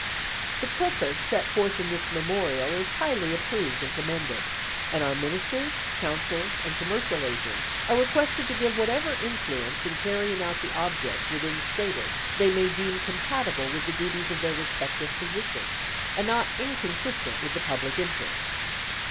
The purpose set forth in this Memorial is highly approved and commended, and our Ministers, Consuls and commercial agents are requested to give whatever influence in carrying out the object within stated they may deem compatible with the duties of their respective positions, and not inconsistent with the public interests.